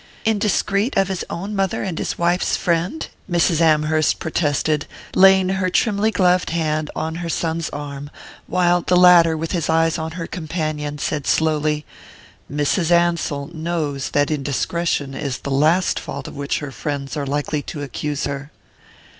"Indiscreet of his own mother and his wife's friend?" Mrs. Amherst protested, laying her trimly gloved hand on her son's arm; while the latter, with his eyes on her companion, said slowly: "Mrs. Ansell knows that indiscretion is the last fault of which her friends are likely to accuse her."